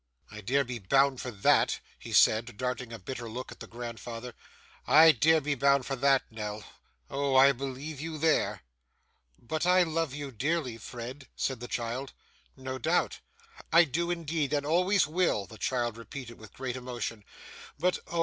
'I dare be bound for that,' he said, darting a bitter look at the grandfather. 'I dare be bound for that Nell. Oh! I believe you there!' 'But I love you dearly, Fred,' said the child. 'No doubt!' 'I do indeed, and always will,' the child repeated with great emotion, 'but oh!